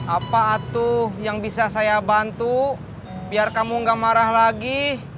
apa atu yang bisa saya bantu biar kamu gak marah lagi